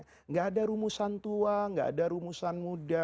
tidak ada rumusan tua nggak ada rumusan muda